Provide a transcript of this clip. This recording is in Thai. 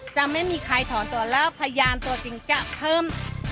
จะไม่มีใครถอนตัวแล้วพยานตัวจริงจะเพิ่ม